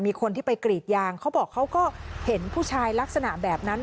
มีคนที่ไปกรีดยางเขาบอกเขาก็เห็นผู้ชายลักษณะแบบนั้น